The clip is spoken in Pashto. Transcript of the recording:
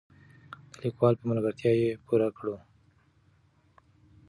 د لیکوال په ملګرتیا یې پوره کړو.